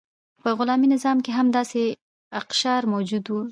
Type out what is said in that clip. په غلامي نظام کې هم داسې اقشار موجود وو.